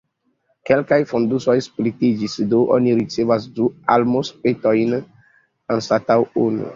Kelkaj fondusoj splitiĝis, do oni ricevas du almozpetojn anstataŭ unu.